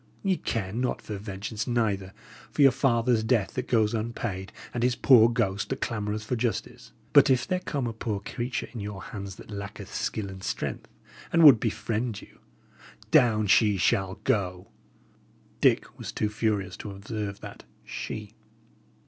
Ye care not for vengeance, neither for your father's death that goes unpaid, and his poor ghost that clamoureth for justice. But if there come but a poor creature in your hands that lacketh skill and strength, and would befriend you, down she shall go!" Dick was too furious to observe that "she."